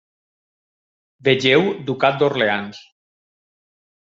Vegeu Ducat d'Orleans.